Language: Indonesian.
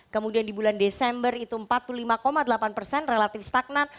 kemudian di bulan desember itu empat puluh lima delapan persen relatif stagnan